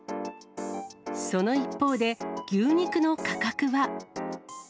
その一方で、牛肉の価格は。